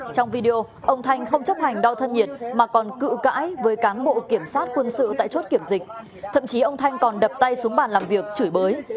trong video ông thanh không chấp hành đo thân nhiệt mà còn cự cãi với cán bộ kiểm sát quân sự tại chốt kiểm dịch thậm chí ông thanh còn đập tay xuống bàn làm việc chửi bới